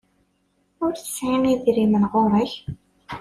Ur tesɛiḍ idrimen ɣur-k?